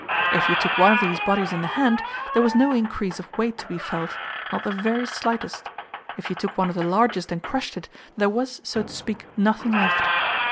If you took one of these bodies in the hand, there was no increase of weight to be felt not the very slightest. If you took one of the largest and crushed it, there was, so to speak, nothing left.